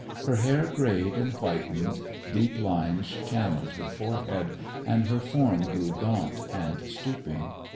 Her hair greyed and whitened, deep lines channeled her forehead, and her form grew gaunt and stooping.